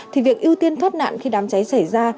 thì việc ưu tiên thoát nạn khi đám cháy xảy ra